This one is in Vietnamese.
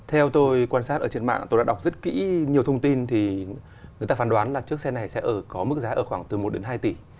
theo tôi quan sát ở trên mạng tôi đã đọc rất kỹ nhiều thông tin thì người ta phán đoán là chiếc xe này sẽ có mức giá ở khoảng từ một đến hai tỷ